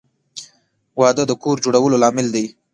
• واده د کور جوړولو لامل دی.